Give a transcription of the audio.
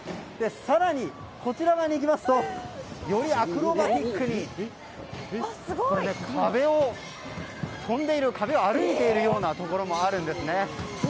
更にこちら側に行きますとよりアクロバティックに壁を歩いているようなところもあるんですね。